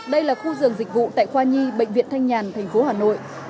đây là khu giường dịch vụ tại khoa nhi bệnh viện thanh nhàn tp hà nội